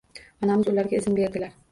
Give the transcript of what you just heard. Onamiz ularga izn beradilar.